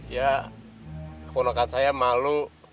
ya keponakan saya malu